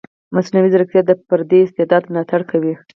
مصنوعي ځیرکتیا د فردي استعداد ملاتړ کوي.